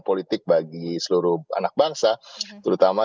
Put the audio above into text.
politik bagi seluruh anak bangsa terutama